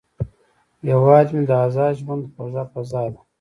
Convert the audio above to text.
هیواد مې د ازاد ژوند خوږه فضا ده